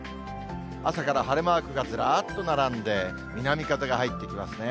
朝から晴れマークがずらっと並んで、南風が入ってきますね。